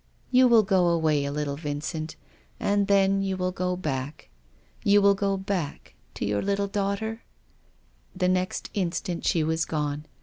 .. You will go away a little, Vincent, and then you will go back. You will go back — to your little daughter \" The next instant she was gone.